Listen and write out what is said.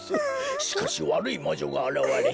しかしわるいまじょがあらわれ